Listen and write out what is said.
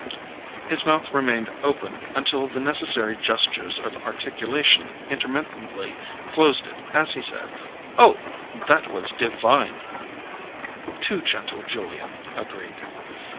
His mouth remained open until the necessary gestures of articulation intermittently closed it as he said: "Oh! That was divine!" Too gentle Julia agreed.